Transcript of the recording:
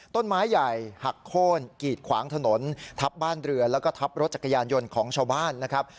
ต้นไม้ใหญ่หักโค้นกีดขวางถนนทับบ้านเรือแล้วก็ทับรถจักรยานยนต์ของชาวบ้านนะครับ